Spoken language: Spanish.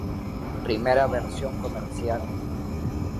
Primera versión comercial.